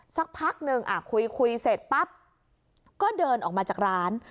สักพักนึงคุยเสร็จปั๊บก็เดินออกมาจากร้าน